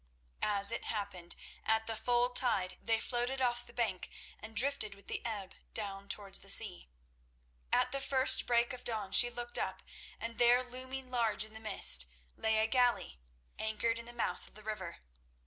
As it happened, at the full tide they floated off the bank and drifted with the ebb down towards the sea. At the first break of dawn she looked up, and there, looming large in the mist, lay a galley, anchored in the mouth of the river.